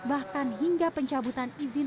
bahkan hingga pencabutan izin